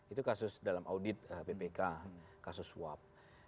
itu kasus dalam audit kpk kasus wap